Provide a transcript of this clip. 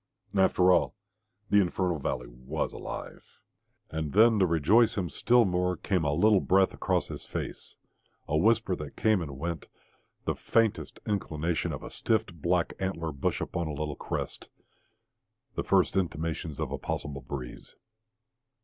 After all, the infernal valley WAS alive. And then, to rejoice him still more, came a little breath across his face, a whisper that came and went, the faintest inclination of a stiff black antlered bush upon a little crest, the first intimations of a possible breeze.